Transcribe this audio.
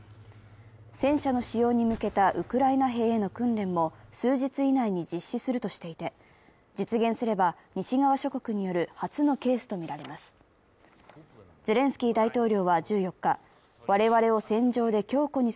戦車の使用に向けたウクライナ兵への訓練も数日以内に実施するとしていて、実現すれば西側諸国による初のケースとみられます。